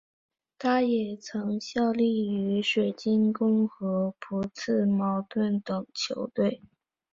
他也曾效力于水晶宫和朴茨茅斯等球队。